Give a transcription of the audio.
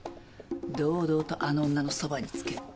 堂々とあの女のそばにつける。